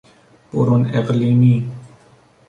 برون اقلیمی